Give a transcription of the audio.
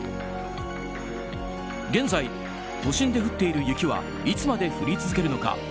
現在、都心で降っている雪はいつまで降り続けるのか？